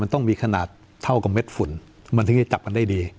มันต้องมีขนาดเท่ากับเม็ดฝุ่นมันถึงจะจับกันได้ดี